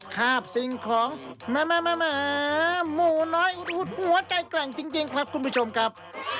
คาบสิ่งของแม่หมู่น้อยอุดหัวใจแกร่งจริงครับคุณผู้ชมครับ